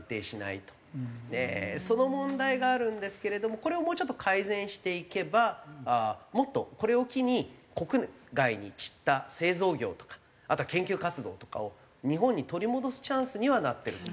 その問題があるんですけれどもこれをもうちょっと改善していけばもっとこれを機に国外に散った製造業とかあとは研究活動とかを日本に取り戻すチャンスにはなってると。